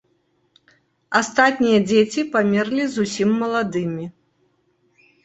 Астатнія дзеці памерлі зусім маладымі.